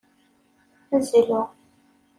Zlu.